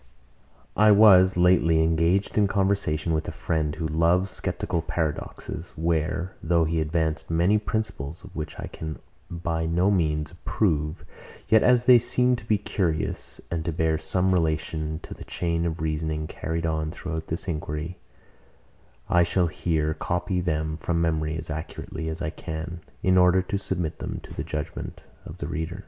102. I was lately engaged in conversation with a friend who loves sceptical paradoxes; where, though he advanced many principles, of which I can by no means approve, yet as they seem to be curious, and to bear some relation to the chain of reasoning carried on throughout this enquiry, I shall here copy them from my memory as accurately as I can, in order to submit them to the judgement of the reader.